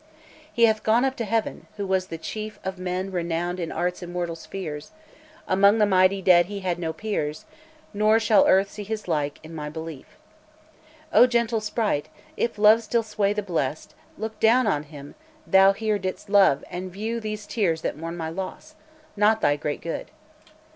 "He hath gone up to heaven, who was the chief Of men renowned in art's immortal spheres; Among the mighty dead he had no peers, Nor shall earth see his like, in my belief. O gentle sprite! if love still sway the blest, Look down on him thou here didst love, and view These tears that mourn my loss, not thy great good.